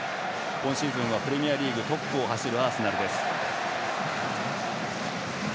今シーズンはプレミアリーグトップを走るアーセナルです。